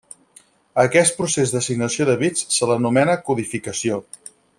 A aquest procés d'assignació de bits se l'anomena codificació.